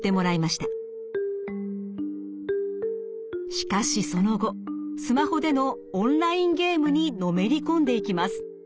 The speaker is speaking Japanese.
しかしその後スマホでのオンラインゲームにのめり込んでいきます。